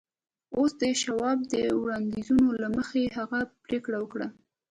اوس د شواب د وړاندیزونو له مخې هغه پرېکړه وکړه